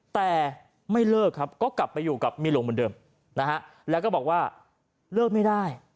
แต่ไม่เลิกครับก็กลับไปอยู่กับเมียหลวงเหมือนเดิมนะฮะแล้วก็บอกว่าเลิกไม่ได้